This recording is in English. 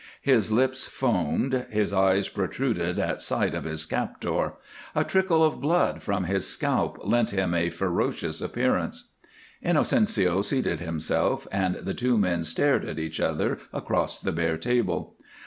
His lips foamed, his eyes protruded at sight of his captor; a trickle of blood from his scalp lent him a ferocious appearance. Inocencio seated himself, and the two men stared at each other across the bare table.